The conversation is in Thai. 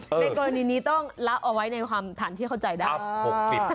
ในกรณีนี้ต้องละเอาไว้ในความฐานที่เข้าใจได้